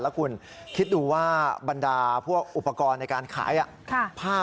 แล้วคุณคิดดูว่าบรรดาพวกอุปกรณ์ในการขายผ้า